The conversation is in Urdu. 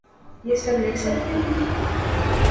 یہ سب لکھ سکتے ہیں؟